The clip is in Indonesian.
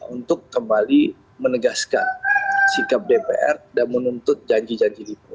untuk kembali menegaskan sikap dpr dan menuntut janji janji itu